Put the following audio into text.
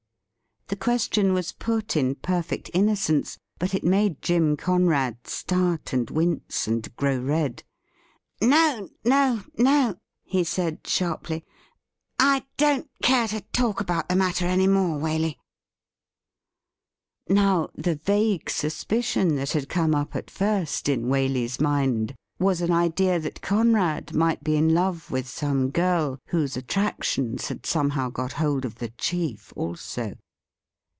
The question was put in perfect innocence, but it made Jim Conrad start and wince and grow red. ' No — no — ^no !' he said shai'ply. ' I don't care to talk about the matter any more, Waley.' Now, the vague suspicion that had come up at first in Waley's mind was an idea that Conrad might be in love with some girl, whose attractions had somehow got hold of the chief also.